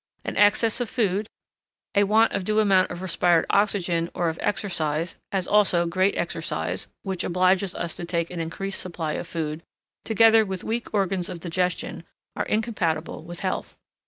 An excess of food, a want of a due amount of respired oxygen, or of exercise, as also great exercise (which obliges us to take an increased supply of food), together with weak organs of digestion, are incompatible with health.